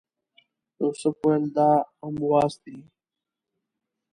یوسف ویل دا امواس دی.